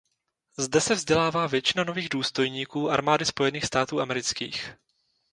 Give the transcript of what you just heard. Zde se vzdělává většina nových důstojníků Armády spojených států amerických.